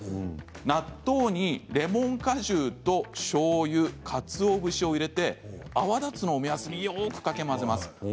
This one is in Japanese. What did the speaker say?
納豆にレモン果汁と、しょうゆかつお節を入れて泡立つのを目安によくかき混ぜます。